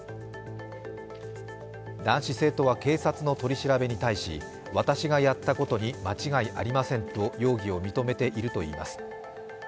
男子生徒は警察の取り調べに対し、私がやったことに間違いありませんと容疑を認めているといいます。